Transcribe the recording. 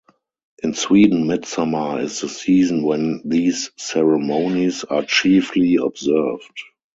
In Sweden, midsummer is the season when these ceremonies are chiefly observed.